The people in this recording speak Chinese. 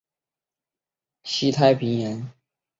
此时舰队在西太平洋只有福治谷号一艘航空母舰。